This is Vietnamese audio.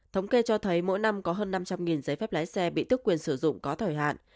thống kê cho thấy mỗi năm có hơn năm trăm linh giấy phép lái xe bị tức quyền sử dụng có thời hạn